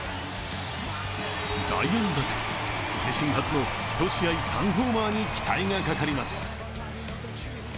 第４打席、自身初の１試合３ホーマーに期待がかかります。